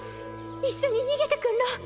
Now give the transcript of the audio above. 一緒に逃げてくんろ！